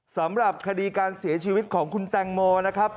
สำหรับคดีการเสียชีวิตของคุณแตงโมนะครับ